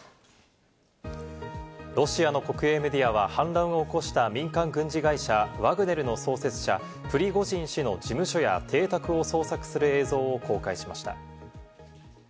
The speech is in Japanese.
ロシアの国営メディアは、反乱を起こした民間軍事会社ワグネルの創設者・プリゴジン氏の事務所や邸宅を捜索する映像を公開しました。